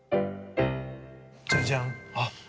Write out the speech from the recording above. じゃじゃん！